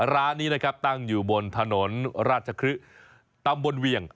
ร้านนี้นะครับตั้งอยู่บนถนนราชครึกตำบลเวียง